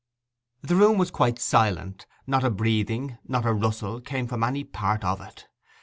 The room was quite silent; not a breathing, not a rustle, came from any part of it.